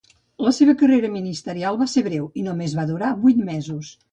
La seva carrera ministerial va ser breu i només va durar vuit mesos.